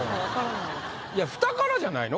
いや「蓋」からじゃないの？